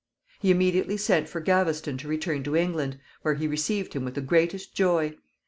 He immediately sent for Gaveston to return to England, where he received him with the greatest joy.